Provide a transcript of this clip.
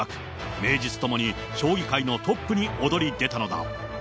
名実ともに将棋界のトップに躍り出たのだ。